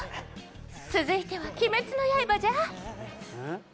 続いては「鬼滅の刃」じゃ鬼滅？